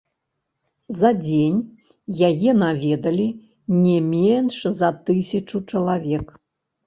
За дзень яе наведалі не менш за тысячу чалавек.